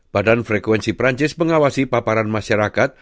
badan frekuensi perancis mengawasi paparan masyarakat